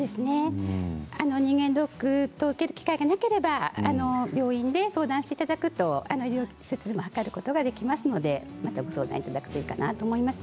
人間ドックで受ける機会がなければ病院で相談していただくと測ることもできますのでご相談いただくといいと思います。